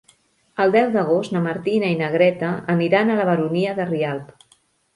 El deu d'agost na Martina i na Greta aniran a la Baronia de Rialb.